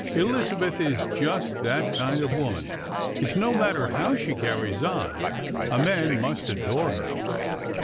Elizabeth is just that kind of woman. It's no matter how she carries on, a man must adore her."